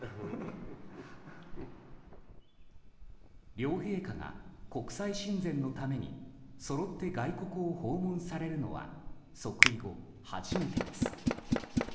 両陛下が国際親善のためにそろって外国を訪問されるのは即位後初めてです。